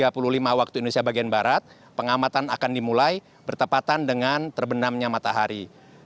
pukul tiga puluh lima waktu indonesia bagian barat pengamatan akan dimulai bertepatan dengan terbenamnya matahari